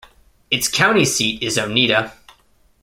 Its county seat is Onida.